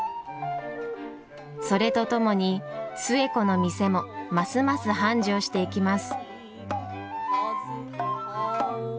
それとともに寿恵子の店もますます繁盛していきます。